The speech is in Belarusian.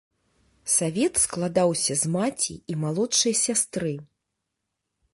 Савет складаўся з маці і малодшай сястры.